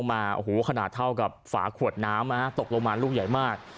มาโอ้โหขนาดเท่ากับฝาขวดน้ำตกลงมาลูกใหญ่มาก